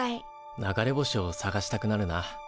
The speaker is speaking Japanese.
流れ星を探したくなるな。